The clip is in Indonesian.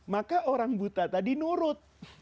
maka orang buta tadi nurut